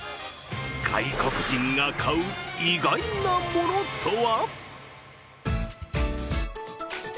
外国人が買う意外なものとは？